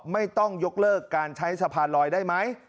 ไม่ต้องยกเลิกการใช้สะพานลอยได้ไหม